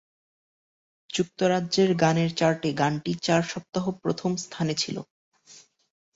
যুক্তরাজ্যের গানের চার্টে গানটি চার সপ্তাহ প্রথম স্থানে ছিল।